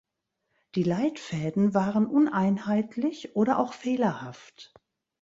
Die Leitfäden waren uneinheitlich oder auch fehlerhaft.